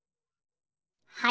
はい。